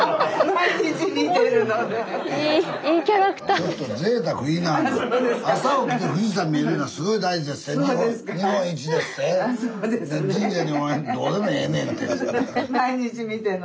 毎日見えんの？